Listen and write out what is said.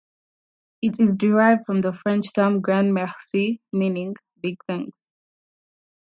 It is derived from the French term "grand merci", meaning "big thanks".